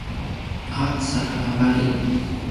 qaca a vali